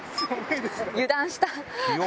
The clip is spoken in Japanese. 油断した。